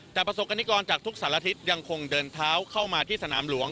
แต่ประสบกรณิกรจากทุกสารทิศยังคงเดินเท้าเข้ามาที่สนามหลวง